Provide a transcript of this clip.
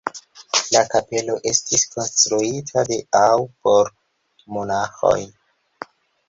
La kapelo estis konstruita de aŭ por monaĥoj.